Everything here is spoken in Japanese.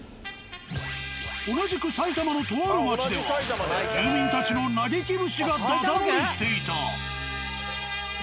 同じく埼玉のとある町では住民たちの嘆き節がだだ漏れしていた。